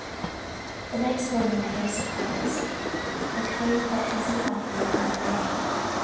The next morning I had a surprise—a kind that hasn't often come my way.